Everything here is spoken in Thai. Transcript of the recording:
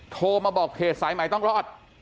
โทรมาบอกเพจสายใหม่ต้องรอด